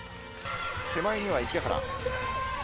手前には池原。